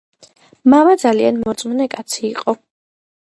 მამა ძალიან მორწმუნე კაცი იყო.